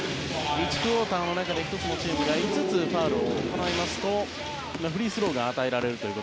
１クオーターの中でチームが５つファウルを行いますとフリースローが与えられます。